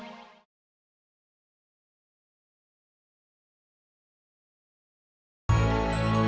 apakah apakah itu sudah terjadi